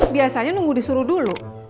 biasanya nunggu disuruh dulu